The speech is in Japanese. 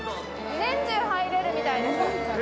年中入れるみたいです。